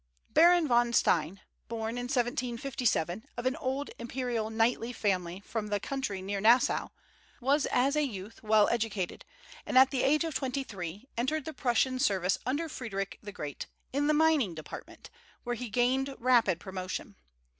Baron von Stein, born in 1757, of an old imperial knightly family from the country near Nassau, was as a youth well educated, and at the age of twenty three entered the Prussian service under Frederic the Great, in the mining department, where he gained rapid promotion.